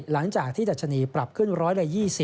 หลังจากที่ดัชนีปรับขึ้น๑๒๐